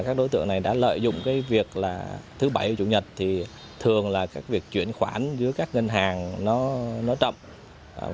các đối tượng này đã lợi dụng cái việc là thứ bảy chủ nhật thì thường là các việc chuyển khoản giữa các ngân hàng nó chậm